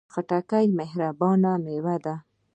خټکی مهربانه میوه ده.